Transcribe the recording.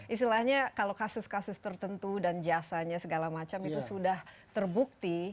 istilahnya kalau kasus kasus tertentu dan jasanya segala macam itu sudah terbukti